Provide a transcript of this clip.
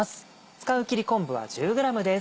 使う切り昆布は１０ｇです。